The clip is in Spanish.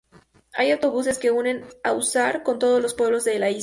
Hay autobuses que unen a Húsar con todos los pueblos de la isla.